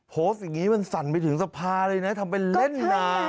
โพสต์อย่างนี้มันสั่นไปถึงสภาเลยนะทำเป็นเล่นนา